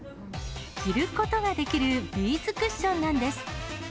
着ることができるビーズクッションなんです。